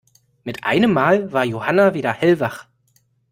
Mit einem Mal war Johanna wieder hellwach.